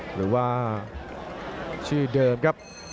หรือว่าชื่อเดิมครับ